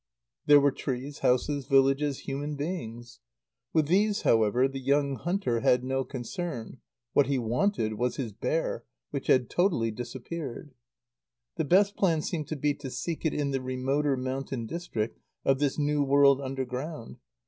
There were trees, houses, villages, human beings. With these, however, the young hunter had no concern. What he wanted was his bear, which had totally disappeared. The best plan seemed to be to seek it in the remoter mountain district of this new world underground.